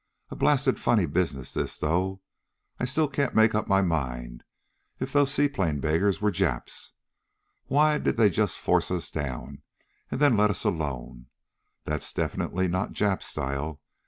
"A blasted funny business this, though. I still can't make up my mind if those seaplane beggars were Japs. Why did they just force us down, and then let us alone? That's definitely not Jap style.